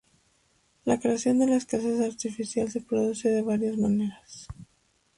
La creación de la escasez artificial se produce de varias maneras.